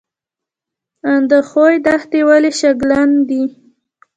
اندخوی دښتې ولې شګلن دي؟